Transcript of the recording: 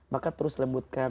maka terus lembutkan